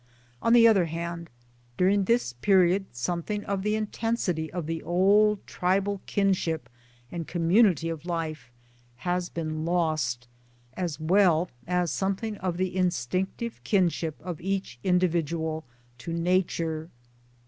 On the other hand during this period something of the intensity of the old tribal kinship and community of life has been lost, as well as something of the instinctive kinship of each individual to Nature.